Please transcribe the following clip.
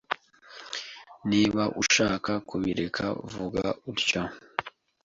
Niba ushaka kubireka, vuga utyo.